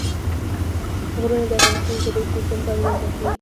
غرونه د افغانستان د طبعي سیسټم توازن ساتي.